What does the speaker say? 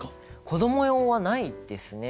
子供用はないですね。